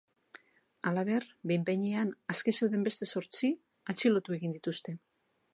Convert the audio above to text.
Halaber, behin-behinean aske zeuden beste zortzi atxilotu egin dituzte.